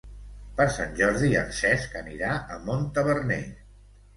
Per Sant Jordi en Cesc anirà a Montaverner.